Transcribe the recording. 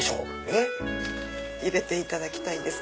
えっ？入れていただきたいんです。